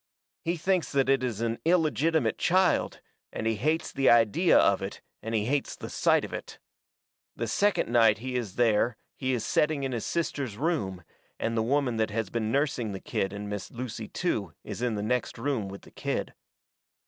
He thinks that it is an illegitimate child, and he hates the idea of it and he hates the sight of it. The second night he is there he is setting in his sister's room, and the woman that has been nursing the kid and Miss Lucy too is in the next room with the kid.